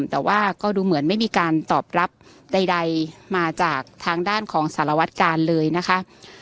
แต่ว่าก็ดูเหมือนไม่มีการตอบรับใดมาจากทางด้านของสารวัตกาลเลยนะคะ